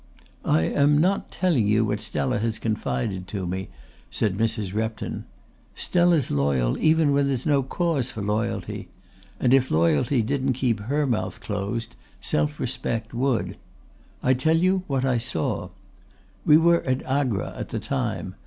"I am not telling you what Stella has confided to me," said Mrs. Repton. "Stella's loyal even when there's no cause for loyalty; and if loyalty didn't keep her mouth closed, self respect would. I tell you what I saw. We were at Agra at the time.